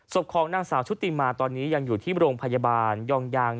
ของนางสาวชุติมาตอนนี้ยังอยู่ที่โรงพยาบาลยองยาง